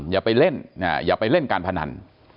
อย่าไปเล่นการพนัน